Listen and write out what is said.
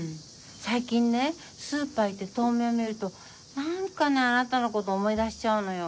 最近ねスーパー行って豆苗見ると何かねあなたのこと思い出しちゃうのよ。